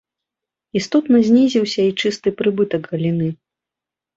Істотна знізіўся і чысты прыбытак галіны.